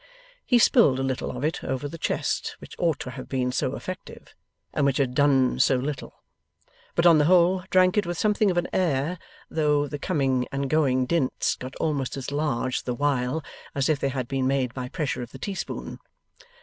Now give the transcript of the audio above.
He spilled a little of it over the chest which ought to have been so effective, and which had done so little; but on the whole drank it with something of an air, though the coming and going dints got almost as large, the while, as if they had been made by pressure of the teaspoon.